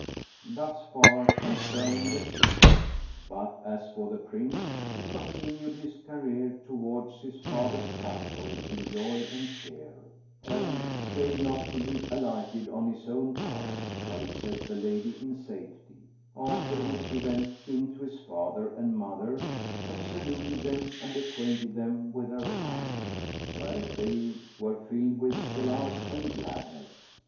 Thus far concerning the King; but as for the Prince, he continued his career towards his father's capital in joy and cheer, and stayed not till he alighted on his own palace, where he set the lady in safety; after which he went in to his father and mother and saluted them and acquainted them with her coming, whereat they were filled with solace and gladness.